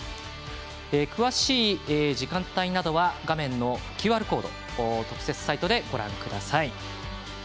詳しい時間帯などは画面のＱＲコードから特設サイトでご覧ください。